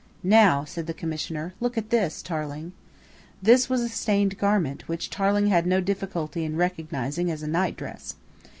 "Now," said the Commissioner, "look at this, Tarling." "This" was a stained garment, which Tarling had no difficulty in recognising as a night dress.